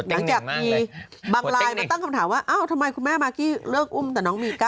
หลังจากมีบางไลน์มาตั้งคำถามว่าเอ้าทำไมคุณแม่มากกี้เลิกอุ้มแต่น้องมี๙